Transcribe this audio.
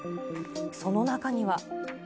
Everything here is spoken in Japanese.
その中には。